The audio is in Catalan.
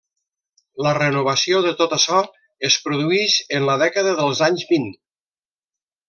La renovació de tot açò es produïx en la dècada dels anys vint.